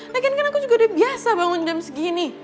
nah kan aku juga udah biasa bangun jam segini